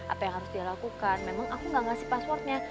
apa yang harus dia lakukan memang aku gak ngasih passwordnya